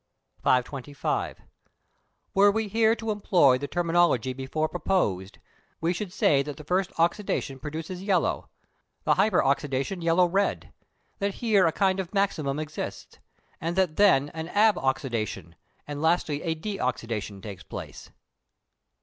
525. Were we here to employ the terminology before proposed, we should say that the first oxydation produces yellow, the hyper oxydation yellow red; that here a kind of maximum exists, and that then an ab oxydation, and lastly a de oxydation takes place.